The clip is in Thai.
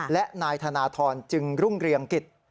และนายธนทรจึงรุ่งเรืองกิจ